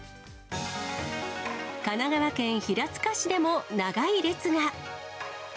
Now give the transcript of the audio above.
神奈川県平塚市でも、長い列が。